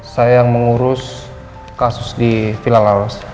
saya yang mengurus kasus di villa laos